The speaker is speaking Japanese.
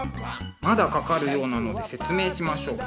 まだかかるようなので説明しましょう。